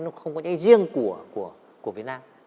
nó không có cái riêng của việt nam